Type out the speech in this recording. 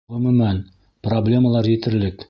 Ғөмүмән, проблемалар етерлек.